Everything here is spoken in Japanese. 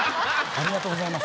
ありがとうございます。